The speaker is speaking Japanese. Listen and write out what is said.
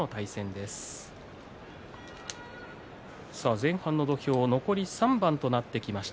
前半の土俵、残り３番となってきました。